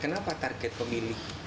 kenapa target pemilih